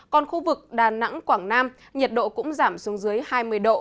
còn khu vực đà nẵng quảng nam nhiệt độ cũng giảm xuống dưới hai mươi độ